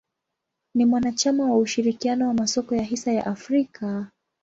Ni mwanachama wa ushirikiano wa masoko ya hisa ya Afrika.